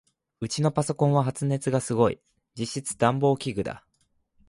ウチのパソコンは発熱がすごい。実質暖房器具だ。